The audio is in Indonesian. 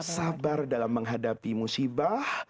sabar dalam menghadapi musibah